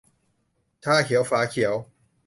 'ชาเขียวฝาเขียว